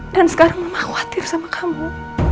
dan sekarang mama khawatir sama kamu